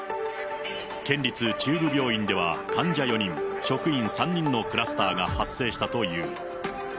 県立中部病院では、患者４人、職員３人のクラスターが発生したという。